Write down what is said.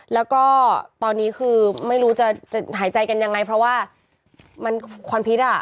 แล้วก็ตอนนี้คือไม่รู้จะหายใจกันยังไงเพราะว่ามันควันพิษอ่ะ